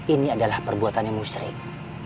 ini adalah perbuatan yang musrik